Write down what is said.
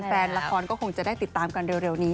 แฟนละครก็คงจะได้ติดตามกันเร็วนี้